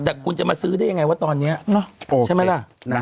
แต่คุณจะมาซื้อได้ยังไงว่าตอนนี้ใช่ไหมล่ะ